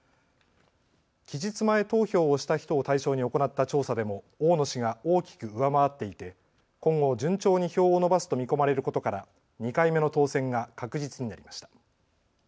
期日前投票をした人を対象に行った調査でも大野氏が大きく上回っていて今後、順調に票を伸ばすと見込まれることから２回目の当選が確実になりました。